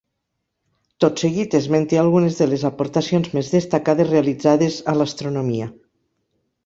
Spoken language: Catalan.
Tot seguit esmente algunes de les aportacions més destacades realitzades a l'Astronomia